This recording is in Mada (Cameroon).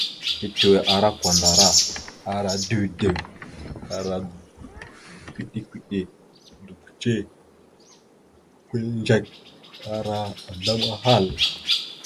Tetʉwe ara kwandara, ara dʉdew, kʉɗe-kʉɗe, dʉkʉce, kʉlindzek, ara azzlam ahal.